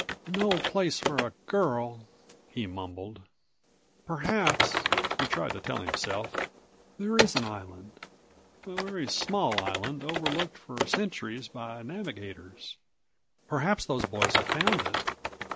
"No place for a girl," he mumbled. "Perhaps," he tried to tell himself, "there is an island, a very small island overlooked for centuries by navigators; perhaps those boys have found it.